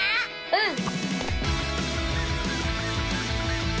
うん！